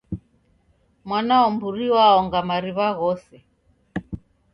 Mwana wa mburi waonga mariw'a ghose.